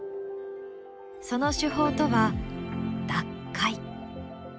その手法とは脱灰。